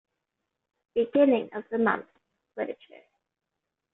"Beginning of the Month"; lit.